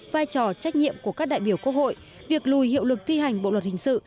vai trò trách nhiệm của các đại biểu quốc hội việc lùi hiệu lực thi hành bộ luật hình sự